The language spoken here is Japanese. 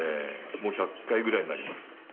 もう１００回ぐらいになります。